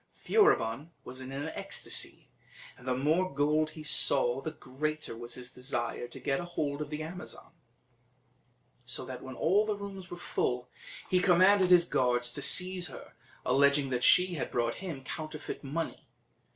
Furibon was in an ecstasy, and the more gold he saw the greater was his desire to get hold of the Amazon; so that when all the rooms were full, he commanded his guards to seize her, alleging she had brought him counterfeit money.